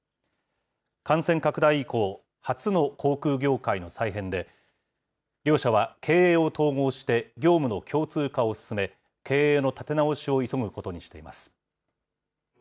感染拡大以降、初の航空業界の再編で、両社は経営を統合して業務の共通化を進め、経営の立て直しを急ぐことにしています。